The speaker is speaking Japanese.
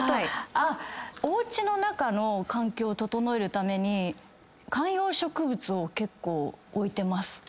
おうちの中の環境を整えるために観葉植物を結構置いてます。